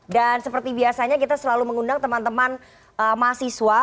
dan seperti biasanya kita selalu mengundang teman teman mahasiswa